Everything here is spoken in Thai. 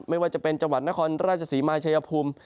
ไม่ว่าจะเป็นจังหวัดนครราชศรีมาชายภูมิ